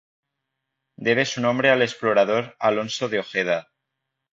Debe su nombre al explorador Alonso de Ojeda.